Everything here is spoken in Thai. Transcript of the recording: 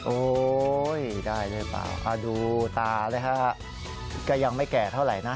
โอ๊ยได้หรือเปล่าถ้าดูตาเลยค่ะก็ยังไม่แก่เท่าไหร่นะ